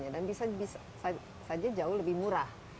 dan bisa saja jauh lebih murah